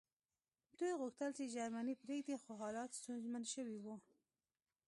دوی غوښتل چې جرمني پرېږدي خو حالات ستونزمن شوي وو